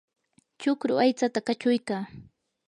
chukru aytsata kachuykaa.